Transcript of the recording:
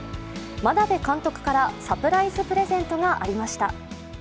眞鍋監督からサプライズプレゼントがありました。